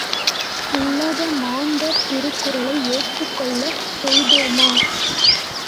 உலக மாந்தர் திருக்குறளை ஏற்றுக்கொள்ளச் செய்தோமா?